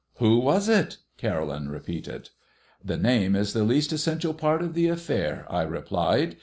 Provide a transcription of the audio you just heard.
"Who was it?" Caroline repeated. "The name is the least essential part of the affair," I replied.